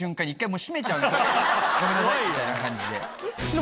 みたいな感じで。